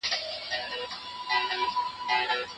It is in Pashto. لارښود ته پکار ده چي د شاګرد خبرې واوري.